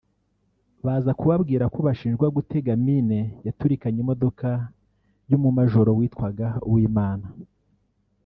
baza kubabwira ko bashinjwa gutega mine yaturikanye imodoka y’umumajoro witwaga Uwimana